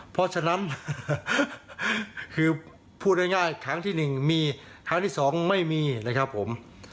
พูดง่ายครั้งที่หนึ่งมีครั้งที่สองไม่มีนะครับผม